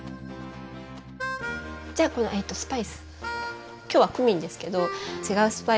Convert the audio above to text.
じゃあこのスパイス。